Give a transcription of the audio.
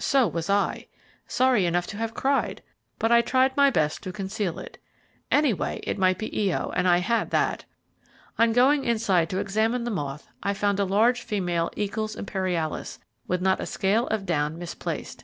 So was I. Sorry enough to have cried, but I tried my best to conceal it. Anyway, it might be Io, and I had that. On going inside to examine the moth, I found a large female Eacles Imperialis, with not a scale of down misplaced.